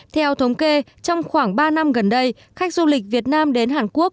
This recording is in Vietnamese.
theo thống kê trong khoảng ba năm gần đây khách du lịch việt nam đến hàn quốc